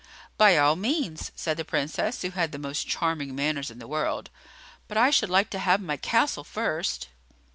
"By all means," said the Princess, who had the most charming manners in the world; "but I should like to have my castle first."